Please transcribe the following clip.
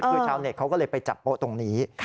คือชาวเน็ตเขาก็เลยไปจับโป๊ะตรงนี้